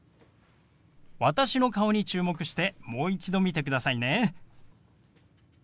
私の顔に注目してもう一度見てくださいね。